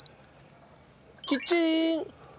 キッチン。